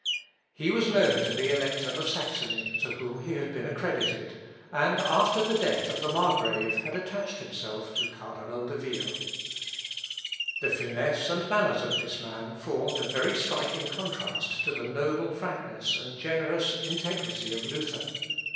He was known to the Elector of Saxony, to whom he had been accredited, and after the death of the Margrave had attached himself to Cardinal de Vio. The finesse and manners of this man formed a very striking contrast to the noble frankness and generous integrity of Luther.